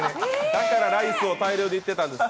だからライスを大量にいってたんです。